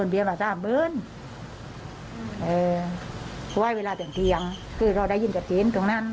เพราะว่าเวลาเตียงเราได้ยินกับชิ้นตรงนั้น